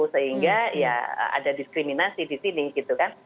sehingga ya ada diskriminasi di sini gitu kan